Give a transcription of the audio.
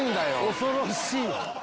恐ろしい。